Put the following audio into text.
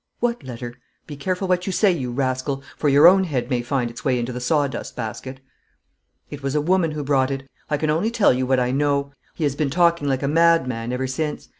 'What letter? Be careful what you say, you rascal, for your own head may find its way into the sawdust basket.' 'It was a woman who brought it. I can only tell you what I know. He has been talking like a madman ever since.